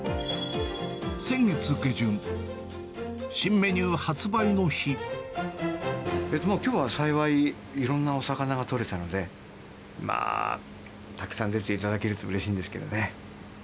先月下旬、新メニュー発売のきょうは幸い、いろんなお魚が取れたので、たくさん出ていただけるとうれしいんですけどね。